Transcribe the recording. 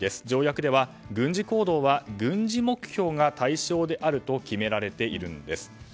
条約では、軍事行動は軍事目標が対象であると決められているんです。